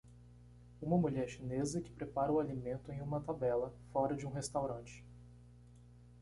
Uma mulher chinesa que prepara o alimento em uma tabela fora de um restaurante.